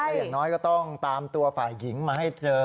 แต่อย่างน้อยก็ต้องตามตัวฝ่ายหญิงมาให้เจอ